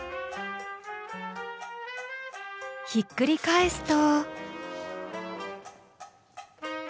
ひっくり返すと。